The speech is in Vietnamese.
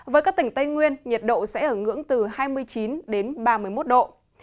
với các tỉnh tây nguyên nhiệt độ sẽ ở ngưỡng từ hai mươi chín đến ba mươi một độ